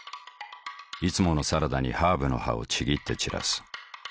いつものサラダにハーブの葉をちぎって散らす。